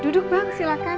duduk bang silakan